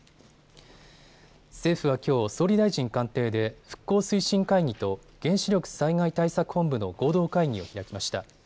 政府はきょう総理大臣官邸で復興推進会議と原子力災害対策本部の合同会議を開きました。